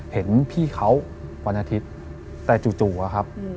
เห็นพี่เขาวันอาทิตย์แต่จู่อะครับ